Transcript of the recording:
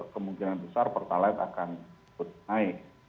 kemungkinan besar pertalaid akan terus naik